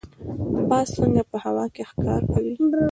باز څنګه په هوا کې ښکار کوي؟